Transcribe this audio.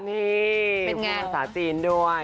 นี่ภาษาจีนด้วย